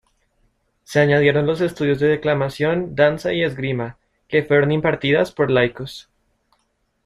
Se añadieron los estudios de declamación, danza y esgrima, que fueron impartidas por laicos.